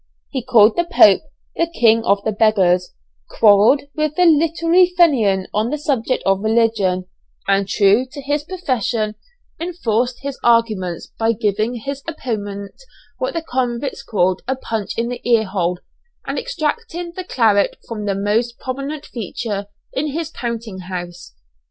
He called the Pope, the King of the beggars; quarrelled with the literary Fenian on the subject of religion, and true to his profession, enforced his arguments by giving his opponent what the convicts called a punch in the ear hole, and extracting the claret from the most prominent feature in his "counting house."